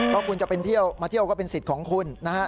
เพราะคุณจะไปเที่ยวมาเที่ยวก็เป็นสิทธิ์ของคุณนะฮะ